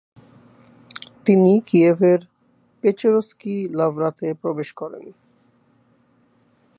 তিনি কিয়েভের পেচেরস্কি লাভরাতে প্রবেশ করেন।